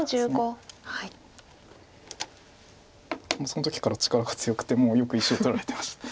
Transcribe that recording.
その時から力が強くてもうよく石を取られてました。